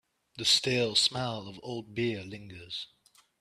The stale smell of old beer lingers.